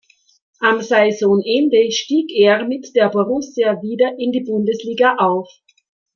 Am Saisonende stieg er mit der Borussia wieder in die Bundesliga auf.